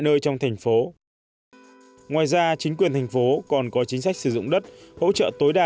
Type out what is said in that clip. nơi trong thành phố ngoài ra chính quyền thành phố còn có chính sách sử dụng đất hỗ trợ tối đa